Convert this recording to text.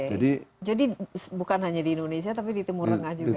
jadi bukan hanya di indonesia tapi di timur tengah juga